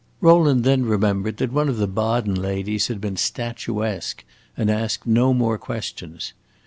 Rowland then remembered that one of the Baden ladies had been "statuesque," and asked no more questions.